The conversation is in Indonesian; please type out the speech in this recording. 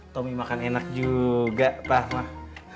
tommy makan enak juga pak ahmad